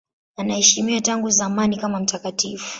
Anaheshimiwa tangu zamani kama mtakatifu.